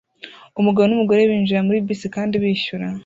Umugabo numugore binjira muri bisi kandi bishyura